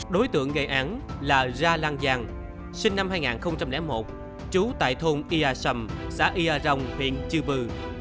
đối tượng gây án là gia lan giang sinh năm hai nghìn một trú tại thôn ia sam xã ia rong huyện chư bư